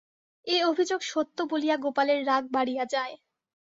এ অভিযোগ সত্য বলিয়া গোপালের রাগ বাড়িয়া যায়।